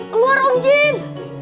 keluar om jin